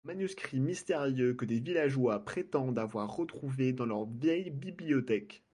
Un manuscrit mystérieux que des villageois prétendent avoir retrouvé dans leur vieille bibliothèque...